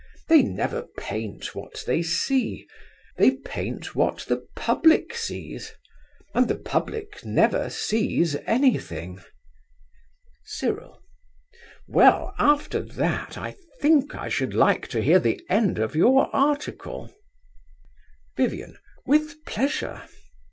They never paint what they see. They paint what the public sees, and the public never sees anything. CYRIL. Well, after that I think I should like to hear the end of your article. VIVIAN. With pleasure.